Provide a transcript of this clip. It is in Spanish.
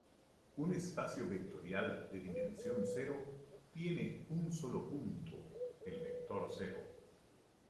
Un espacio vectorial de dimensión cero tiene un solo punto, el vector cero.